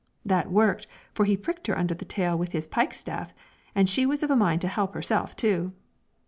That worked, for he pricked her under the tail with his pikestaff, and she was of a mind to help herself too.